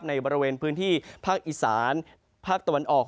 ในบริเวณพื้นที่ภาคอีสานภาคตะวันออก